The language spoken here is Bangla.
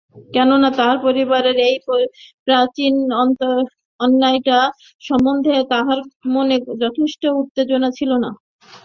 কেননা তাহাদের পরিবারের এই প্রাচীন অন্যায়টা সম্বন্ধে তাহার মনে যথেষ্ট উত্তেজনা ছিল না।